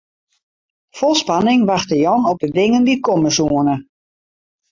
Fol spanning wachte Jan op de dingen dy't komme soene.